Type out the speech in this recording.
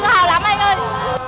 tự hào lắm anh ơi